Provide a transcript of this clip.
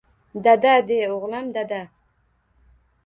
- Dada de, o'g'lim, dada!